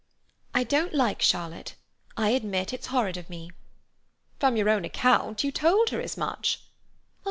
I don't like Charlotte. I admit it's horrid of me." "From your own account, you told her as much."